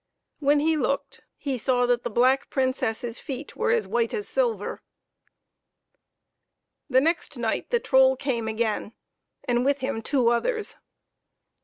When he looked he saw that the black Princess's feet were as white as silver. The next night the troll came again, and with him two others.